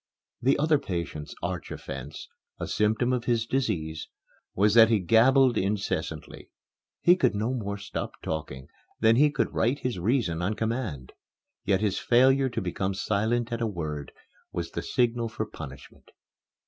The other patient's arch offence a symptom of his disease was that he gabbled incessantly. He could no more stop talking than he could right his reason on command. Yet his failure to become silent at a word was the signal for punishment.